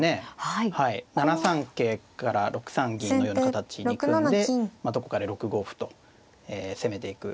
桂から６三銀のような形に組んでどこかで６五歩と攻めていく。